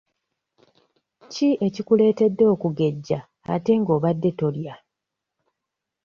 Ki ekikuleetedde okugejja ate nga obadde tolya?